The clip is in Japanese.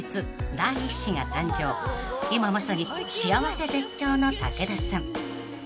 ［今まさに幸せ絶頂の武田さん］